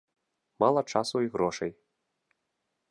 Мала часу і грошай.